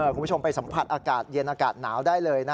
คุณผู้ชมไปสัมผัสอากาศเย็นอากาศหนาวได้เลยนะ